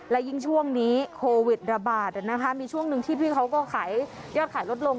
และยิ่งช่วงนี้โควิดระบาดมีช่วงหนึ่งที่พี่เขาก็ขายยอดขายลดลง